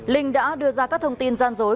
linh đã đưa ra các thông tin gian dối